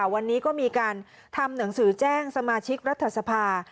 วันนี้ก็มีการทำหนังสือแจ้งสมาชิกรัฐสภา